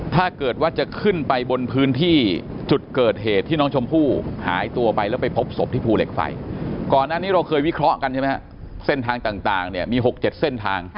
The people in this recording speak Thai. ถ้าเกิดว่าจะขึ้นไปบนพื้นที่จุดเกิดเหตุที่น้องชมพู่หายตัวไปแล้วไปพบศพที่ภูเหล็กไฟก่อนอันนี้เราเคยวิเคราะห์กันใช่ไหมฮะเส้นทางต่างเนี่ยมี๖๗เส้นทาง